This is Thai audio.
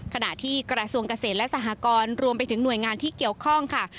ขณะที่กระทรวงเกษตรและสหกรณ์รวมไปถึงหน่วยงานที่เกี่ยวข้องค่ะ